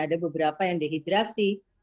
ada beberapa yang dehidrasi